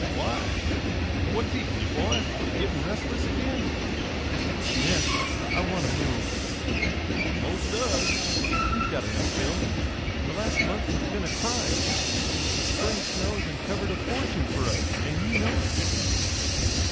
"Why? What's eatin' ye, boy? Gittin' restless agin?" "Yes, I want to move." "Most does." "We've got enough, Bill. The last month has been a crime. The spring snows uncovered a fortune for us, and you know it!"